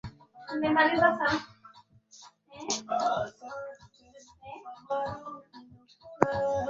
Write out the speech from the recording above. virusi hivi vinasambaa na kuambukiza watu wengi